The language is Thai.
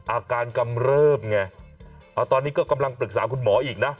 กำเริบไงตอนนี้ก็กำลังปรึกษาคุณหมออีกนะ